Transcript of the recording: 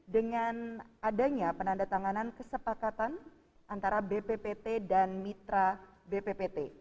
dengan adanya penandatanganan kesepakatan antara bppt dan mitra bppt